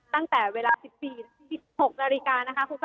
ตั้งแต่เวลา๑๐๑๖นาฬิกา